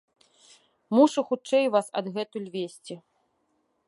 Мушу хутчэй вас адгэтуль весці.